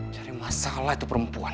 cari masalah itu perempuan